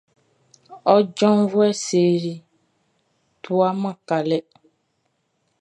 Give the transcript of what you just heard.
Ɔ janvuɛ Sery tuaman kalɛ.